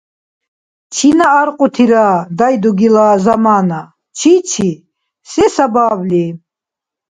Чина аркьутира дай дугила замана? Чичи? Се сабабли?